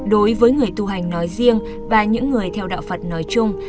đối với người tu hành nói riêng và những người theo đạo phật nói chung